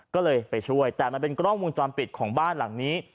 ก็เลยไปช่วยแต่มันเป็นกล้องวงจรปิดของบ้านหลังนี้